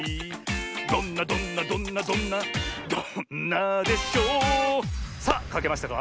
どんなどんなどんなどんなどんなでしょさあかけましたか？